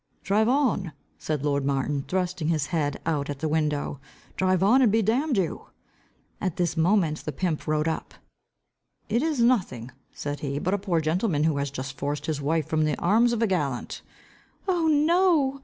"Drive on," said lord Martin, thrusting his head out at the window "Drive on, and be damned to you!" At this moment the pimp rode up. "It is nothing," said he, "but a poor gentleman, who has just forced his wife from the arms of a gallant." "Oh no!"